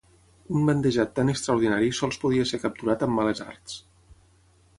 Un bandejat tan extraordinari sols podia ser capturat amb males arts.